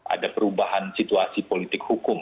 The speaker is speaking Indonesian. ada perubahan situasi politik hukum